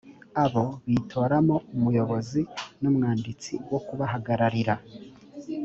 abo bitoramo umuyobozi n umwanditsi wo kubahagararira.